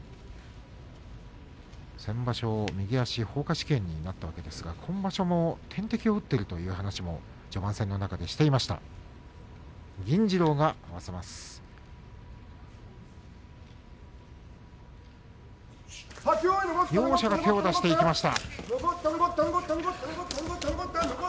先場所、右足ほうか織炎になったわけですが今場所も点滴を打っているという話を序盤戦でしていました。